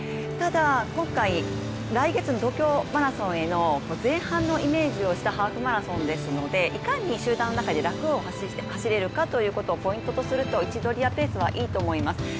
ただ今回、来月の東京マラソンへの前半のイメージをしたハーフマラソンですので、いかに集団の中で楽をして走れるかということをポイントとするなら、位置取りやペースはいいと思います。